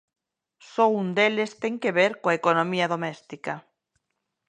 Só un deles ten que ver coa economía doméstica.